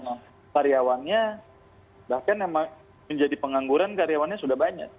nah karyawannya bahkan yang menjadi pengangguran karyawannya sudah banyak